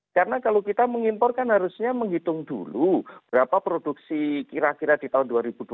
karena kalau kita mengimpor kan harusnya menghitung dulu berapa produksi kira kira di tahun dua ribu dua puluh tiga